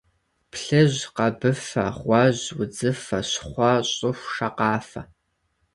Плъыжь, къэбыфэ, гъуэжь, удзыфэ, щхъуэ, щӏыху, шакъафэ.